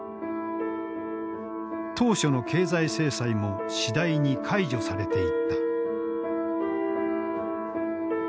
当初の経済制裁も次第に解除されていった。